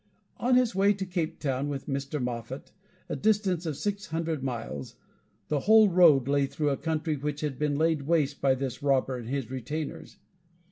On his way to Cape Town with Mr. Moffat, a distance of six hundred miles, the whole road lay through a country which had been laid waste by this robber and his retainers.